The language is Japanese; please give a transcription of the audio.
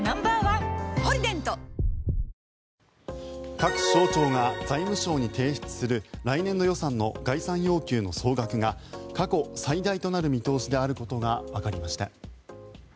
各省庁が財務省に提出する来年度予算の概算要求の総額が過去最大となる見通しであることがわかりました。